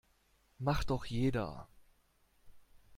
Macht doch jeder.